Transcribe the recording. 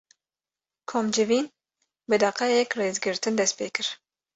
Komcivîn, bi deqeyek rêzgirtin dest pê kir